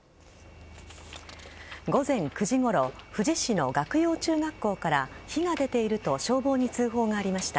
午前９時ごろ富士市の岳陽中学校から火が出ていると消防に通報がありました。